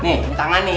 nih ini tangan nih ya